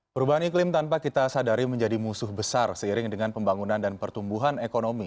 perubahan iklim tanpa kita sadari menjadi musuh besar seiring dengan pembangunan dan pertumbuhan ekonomi